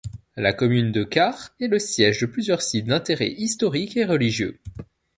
La commune de Quart est le siège de plusieurs sites d'intérêt historique et religieux.